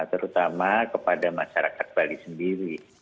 terutama kepada masyarakat bali sendiri